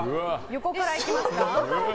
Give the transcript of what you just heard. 横からいきますか？